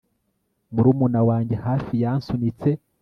Murumuna wanjye hafi yansunitse